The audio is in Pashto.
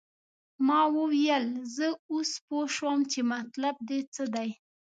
ما وویل زه اوس پوه شوم چې مطلب دې څه دی.